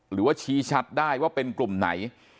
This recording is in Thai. หรือว่าชี้ชัดได้ว่าเป็นกลุ่มไหน